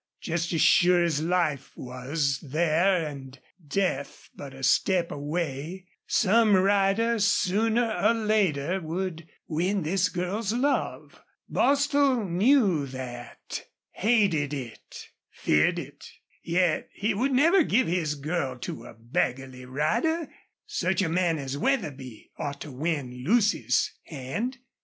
Just as sure as life was there and death but a step away, some rider, sooner or later, would win this girl's love. Bostil knew that, hated it, feared it. Yet he would never give his girl to a beggarly rider. Such a man as Wetherby ought to win Lucy's hand.